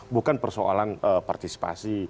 bukan persoalan partisipasi